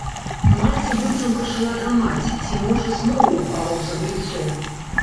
Маці быццам пачала драмаць ці, можа, зноў упала ў забыццё.